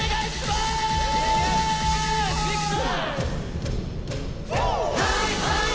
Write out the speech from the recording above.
いくぞ！